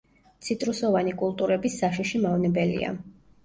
ციტრუსოვანი კულტურების საშიში მავნებელია.